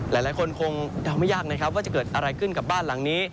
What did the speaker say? หลายคนคงเดาไม่ยากนะครับว่าจะเกิดอะไรขึ้นกับบ้านหลังนี้